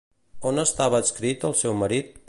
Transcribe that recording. On estava adscrit el seu marit?